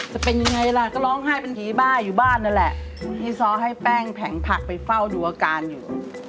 จะเป็นยังไงล่ะก็ร้องไห้เป็นผีบ้าอยู่บ้านนั่นแหละให้ซ้อให้แป้งแผงผักไปเฝ้าดูอาการอยู่